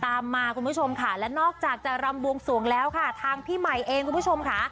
ตามมาคุณผู้ชมค่ะและนอกจากจะรำบวงสวงแล้วค่ะทางพี่ใหม่เองคุณผู้ชมค่ะ